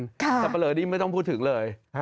แต่เผลอนี้ไม่ต้องพูดถึงเลย